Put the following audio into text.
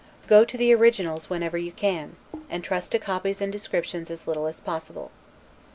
Go to originals whenever you can, and trust to copies and descriptions as little as possible.